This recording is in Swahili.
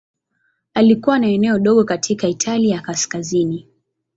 Alikuwa na eneo dogo katika Italia ya Kaskazini.